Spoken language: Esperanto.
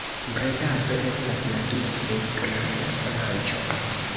Bredado estas la dua plej granda branĉo.